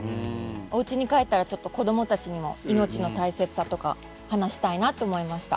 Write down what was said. おうちに帰ったらちょっと子供たちにも命の大切さとか話したいなって思いました。